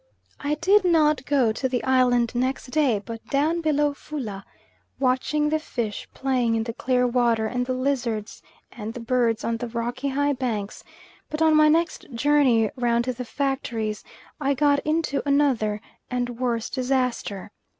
I did not go to the island next day, but down below Fula, watching the fish playing in the clear water, and the lizards and birds on the rocky high banks; but on my next journey round to the factories I got into another and a worse disaster.